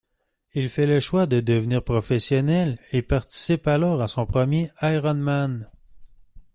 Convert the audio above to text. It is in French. Il fait le choix de devenir professionnel et participe alors à son premier Ironman.